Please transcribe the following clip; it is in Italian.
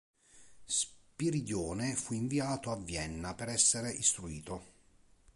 Spiridione fu inviato a Vienna per essere istruito.